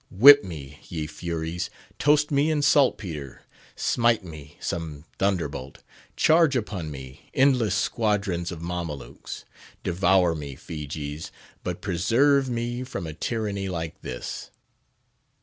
Whip me, ye Furies! toast me in saltpetre! smite me, some thunderbolt! charge upon me, endless squadrons of Mamalukes! devour me, Feejees! but preserve me from a tyranny like this!